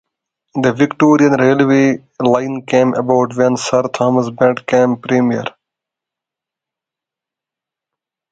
The Victorian Railways line came about when Sir Thomas Bent became Premier.